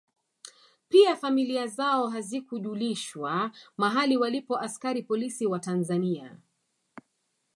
Pia familia zao hazikujulishwa mahali walipo askari polisi wa Tanzania